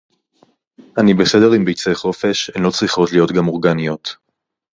אני בסדר עם ביצי חופש, הן לא צריכות להיות גם אורגניות.